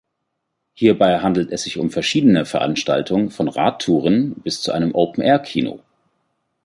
Hierbei handelt es sich um verschiedene Veranstaltungen von Radtouren bis zu einem Open-Air-Kino.